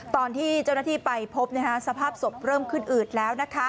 ตอนที่เจ้าหน้าที่ไปพบสภาพศพเริ่มขึ้นอืดแล้ว